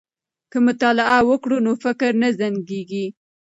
که مطالعه وکړو نو فکر نه زنګ کیږي.